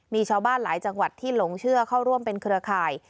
มีชาวบ้านหลายจังหวัดที่หลงเชื่อเข้าร่วมเป็นเครือข่าย